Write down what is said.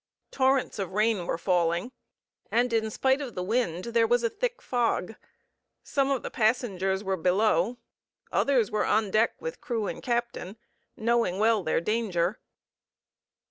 Torrents of rain were falling, and in spite of the wind there was a thick fog. Some of the passengers were below, others were on deck with crew and captain, knowing well their danger.